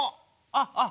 あっあっ。